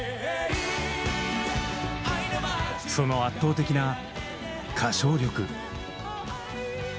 その圧倒的な「歌唱力」。